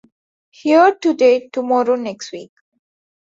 Here Today, Tomorrow Next Week!